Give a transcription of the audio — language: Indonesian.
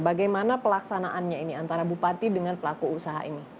bagaimana pelaksanaannya ini antara bupati dengan pelaku usaha ini